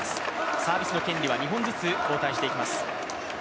サービスの権利は２本ずつ交代していきます。